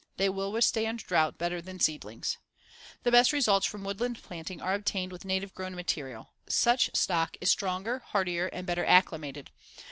They will withstand drought better than seedlings. The best results from woodland planting are obtained with native grown material. Such stock is stronger, hardier and better acclimated.